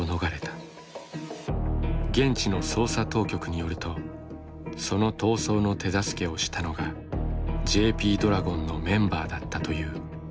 現地の捜査当局によるとその逃走の手助けをしたのがＪＰドラゴンのメンバーだったという。